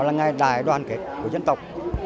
nó là ngày đại đoàn kết của dân tộc